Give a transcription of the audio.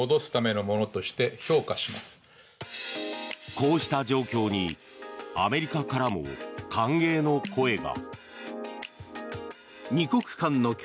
こうした状況にアメリカからも歓迎の声が。